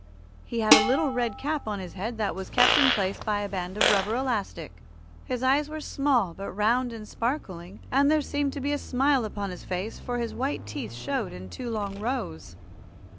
He had a little red cap on his head that was kept in place by a band of rubber elastic. His eyes were small, but round and sparkling, and there seemed to be a smile upon his face, for his white teeth showed in two long rows.